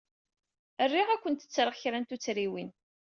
Riɣ ad k-ttreɣ kra n tuttriwin.